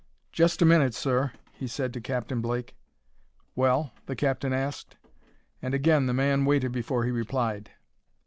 "Just a minute, sir," he said to Captain Blake. "Well?" the captain asked. And again the man waited before he replied.